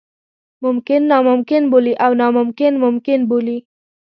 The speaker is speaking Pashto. ممکن ناممکن بولي او ناممکن ممکن بولي.